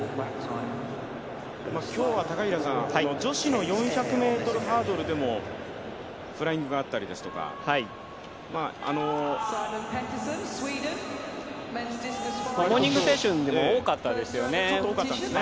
今日は高平さん、女子の４００ｍハードルでもフライングがあったり、モーニングセッションでも多かったですね。